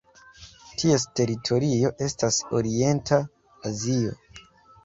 Ties teritorio estas Orienta Azio.